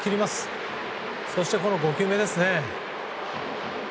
そして５球目ですね。